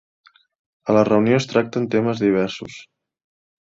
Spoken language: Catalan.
A la reunió es tracten temes diversos.